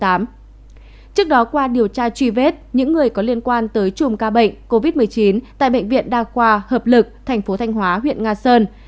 trước đó qua điều tra truy vết những người có liên quan tới chùm ca bệnh covid một mươi chín tại bệnh viện đa khoa hợp lực thành phố thanh hóa huyện nga sơn